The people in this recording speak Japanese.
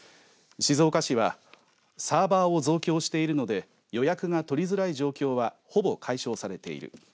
静岡市はサーバーを増強しているので予約が取りづらい状況はほぼ解消されている。